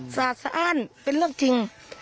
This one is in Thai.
สะอ้านเป็นเรื่องจริง